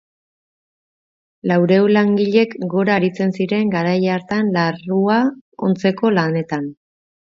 Laurehun langiletik gora aritzen ziren garai hartan larrua ontzeko lanetan.